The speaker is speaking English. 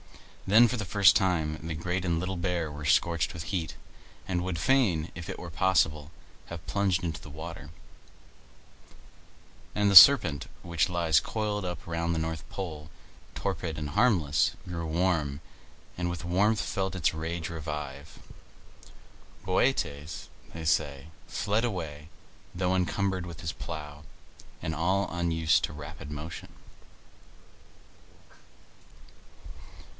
Then, for the first time, the Great and Little Bear were scorched with heat, and would fain, if it were possible, have plunged into the water; and the Serpent which lies coiled up round the north pole, torpid and harmless, grew warm, and with warmth felt its rage revive. Bootes, they say, fled away, though encumbered with his plough, and all unused to rapid motion.